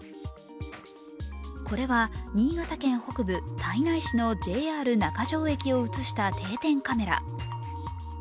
これは新潟県北部、胎内市のＪＲ中条駅を映した定点カメラ。